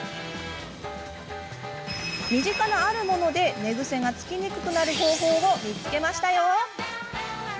身近なあるもので寝ぐせがつきにくくなる方法見つけましたよ。